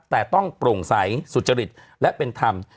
แต่ต้องโปร่งใสสุจริตและเป็นธรรม